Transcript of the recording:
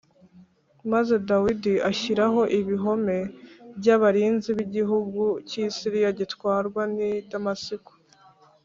Maze Dawidi ashyiraho ibihome by’abarinzi b’igihugu cy’i Siriya gitwarwa n’i Damasiko,